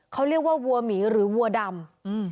เขาเรียกว่าวัวหมีหรือวัวดำ